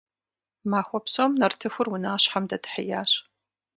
Махуэ псом нартыхур унащхьэм дэтхьеящ.